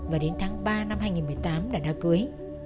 và đến tháng ba năm hai nghìn một mươi tám đã cưới